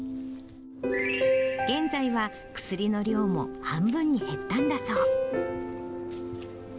現在は薬の量も半分に減ったんだそう。